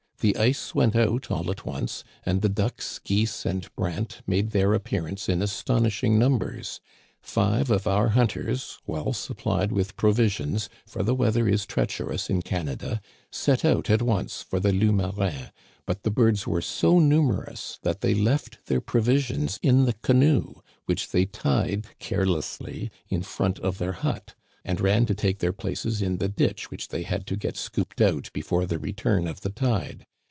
The ice went out all at once and the ducks, geese, and brant made their appearance in astonishing numbers. Five of our hunters, well sup Digitized by VjOOQIC THE FEAST OF ST. JEAN BAPTISTE, 129 pHed with provisions — for the weather is treacherous in Canada — set out at once for the Loups Marins ; but the birds were so numerous that they left their provisions in the canoe (which they tied carelessly in front of their hut), and ran to take their places in the ditch which they had to get scooped out before the return of the tide.